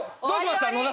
どうしました？